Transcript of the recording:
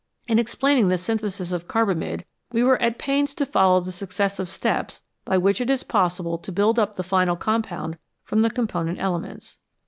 In explaining the synthesis of carbamide we were at pains to follow the successive steps by which it is possible to build up the final compound from the component elements.